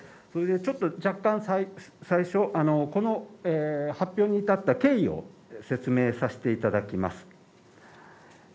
それでちょっと若干最初この発表に至った経緯を説明させていただきます。